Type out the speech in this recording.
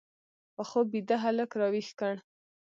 په خوب بیده هلک راویښ کړ